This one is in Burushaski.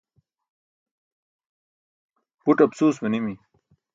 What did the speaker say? buṭ apsuus manimi